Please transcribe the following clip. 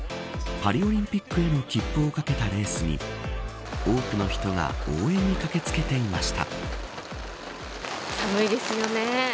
パリオリンピックへの切符を懸けたレースに多くの人が応援に駆け付けていました。